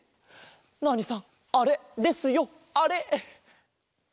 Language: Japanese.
ナーニさんあれですよあれ！